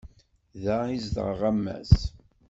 Da i zedɣeɣ, a Mass.